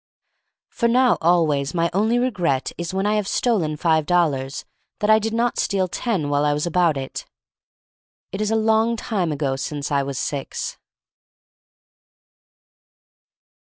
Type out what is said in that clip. For now always my only regret is, when I have stolen five dollars, that I did not steal ten while I was about it. It is a long time ago since I was six.